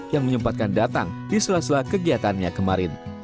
yang menyempatkan datang di sela sela kegiatannya kemarin